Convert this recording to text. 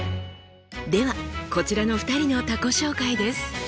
ではこちらの２人の他己紹介です。